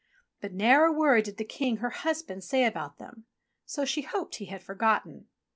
But ne'er a word did the King, her husband, say about them ; so she hoped he had forgotten.